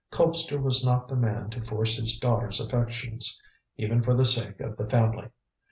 Colpster was not the man to force his daughter's affections even for the sake of the family.